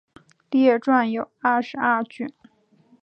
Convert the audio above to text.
列传有二十二卷。